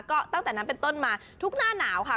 ก็ตั้งแต่นั้นเป็นต้นมาทุกหน้าหนาวค่ะ